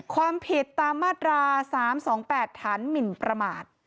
ความผิดตามมาตรา๓๒๘ฐานหมินประมาท